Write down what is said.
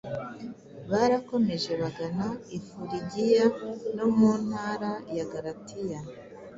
barakomeje bagana “i Fuligiya no mu ntara ya Galatiya”